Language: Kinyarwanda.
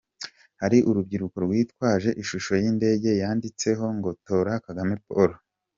Hari urubyiruko rwitwaje ishusho y’indege yanditseho ngo ‘Tora Kagame Paul’.